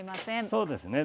そうですね